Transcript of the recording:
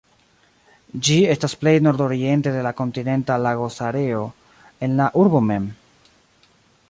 Ĝi estas plej nordoriente de la Kontinenta Lagosareo en la urbo mem.